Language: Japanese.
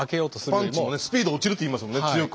パンチもねスピード落ちるって言いますもんね強く握れば。